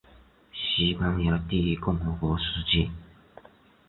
西班牙第一共和国时期。